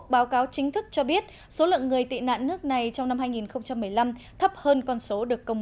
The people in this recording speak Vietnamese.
báo cáo chính thức cho biết số lượng người tị nạn nước này trong năm hai nghìn một mươi năm thấp hơn con số được công